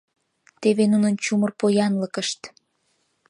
Теве нунын чумыр поянлыкышт.